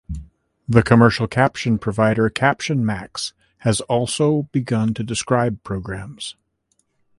The commercial caption provider CaptionMax has also begun to describe programs.